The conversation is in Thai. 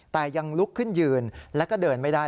แต่ยังลุกขึ้นยืนแล้วก็เดินไม่ได้